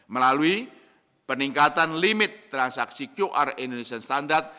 melalui peningkatan limit transaksi qr indonesian standard